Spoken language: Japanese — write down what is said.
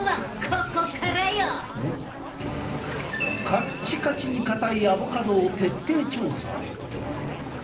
カッチカチに硬いアボカドを徹底調査！